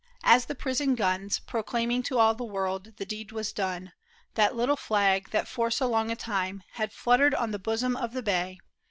As the prison guns Proclaimed to all the world the deed was done. The Httle flag, that for so long a time Had fluttered on the bosom of the bay.